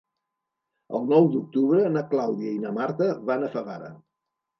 El nou d'octubre na Clàudia i na Marta van a Favara.